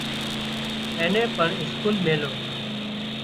اين نين پڻ اسڪول ميليو